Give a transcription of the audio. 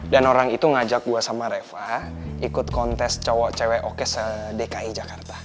dan orang itu ngajak gue sama reva ikut kontes cowok cewe o k se dki jakarta